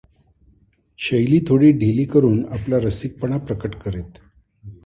थैली थोडी ढिली करून आपला रसिकपणा प्रकट करीत.